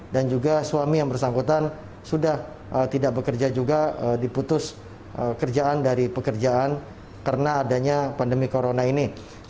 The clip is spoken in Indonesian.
dan juga suami yang bersangkutan sudah tidak bekerja juga diputus kerjaan dari pekerjaan karena adanya pandemi corona ini